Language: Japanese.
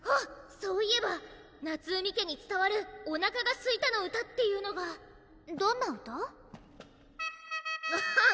そういえば夏海家につたわるお腹が空いたの歌っていうのがどんな歌コホン